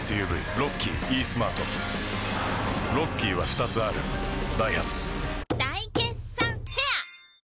ロッキーイースマートロッキーは２つあるダイハツ大決算フェア